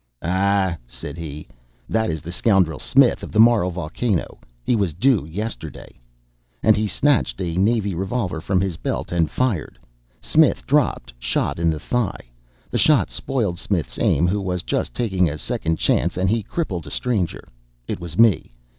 "Ah," said he, "that is that scoundrel Smith, of the Moral Volcano he was due yesterday." And he snatched a navy revolver from his belt and fired Smith dropped, shot in the thigh. The shot spoiled Smith's aim, who was just taking a second chance and he crippled a stranger. It was me.